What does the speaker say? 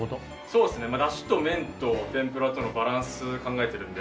そうですね出汁と麺と天ぷらとのバランス考えてるので。